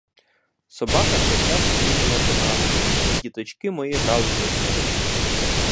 Собака ця часто бігала до нас, і діточки мої гралися з нею.